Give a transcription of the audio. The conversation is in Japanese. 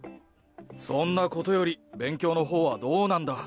そんなことより勉強の方はどうなんだ？